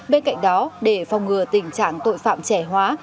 bên cạnh đó để phòng ngừa tình trạng tội phạm trẻ hóa